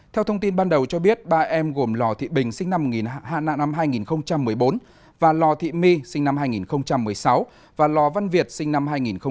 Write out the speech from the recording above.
theo thông tin ban đầu cho biết ba em gồm lò thị bình sinh năm hai nghìn một mươi bốn và lò thị my sinh năm hai nghìn một mươi sáu và lò văn việt sinh năm hai nghìn một mươi